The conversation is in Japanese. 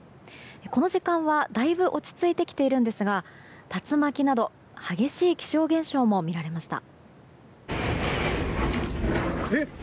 この時間は、だいぶ落ち着いてきているんですが竜巻など激しい気象現象もみられました。